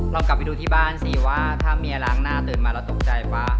เรากลับไปดูที่บ้านสิว่าถ้าเมียล้างหน้าตื่นมาเราตกใจป่ะ